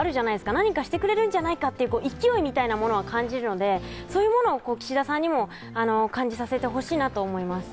何かしてくれるんじゃないかという勢いみたいなものは感じるのでそういうものを岸田さんにも感じさせてほしいなと思います。